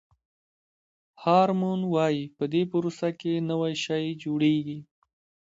هارمون وایي په دې پروسه کې نوی شی جوړیږي.